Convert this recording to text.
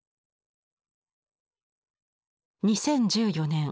２０１４年